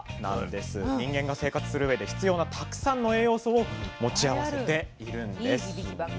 人間が生活するうえで必要なたくさんの栄養素を持ち合わせているんです。